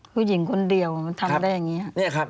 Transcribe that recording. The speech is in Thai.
ผู้หญิงคนเดียวมันทำได้อย่างนี้